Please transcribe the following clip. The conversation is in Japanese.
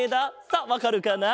さあわかるかな？